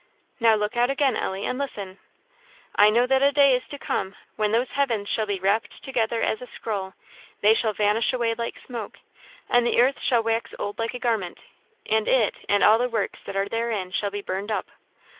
"Now look out again, Ellie, and listen. I know that a day is to come, when those heavens shall be wrapped together as a scroll they shall vanish away like smoke, and the earth shall wax old like a garment and it, and all the works that are therein, shall be burned up."